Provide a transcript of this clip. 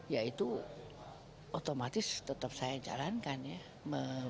ya itu otomatis tetap saya jalankan ya